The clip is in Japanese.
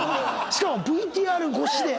しかもＶＴＲ越しで。